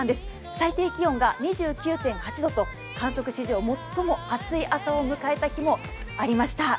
最低気温が２９．８度と観測史上最も暑い朝を迎えた日もありました。